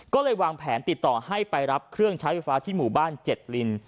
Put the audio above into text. ก็เลยวางแผนติดต่อให้ไปรับเครื่องใช้ไฟฟ้าที่หมู่บ้าน๗ลิน